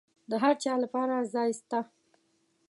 د هرچا لپاره ځای سته.